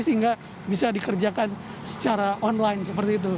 sehingga bisa dikerjakan secara online seperti itu